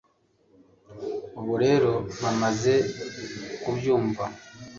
ubwo rero, bamaze kubyumva